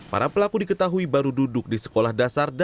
para pelaku diketahui baru duduk di sekolah dasar